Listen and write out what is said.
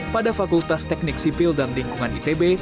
pada fakultas teknik sipil dan lingkungan itb